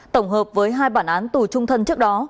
tổng hợp với hai bản án tù trung thân trước đó